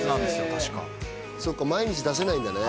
確かそっか毎日出せないんだね